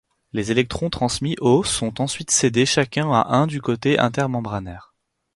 Les électrons transmis aux sont ensuite cédés chacun à un du côté intermembranaire.